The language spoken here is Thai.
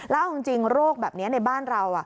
แล้วเอาจริงโรคแบบนี้ในบ้านเรา